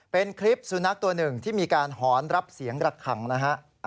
เป็นคลิปสุนัขตัวหนึ่งที่มีการหอนรับเสียงระขังนะฮะ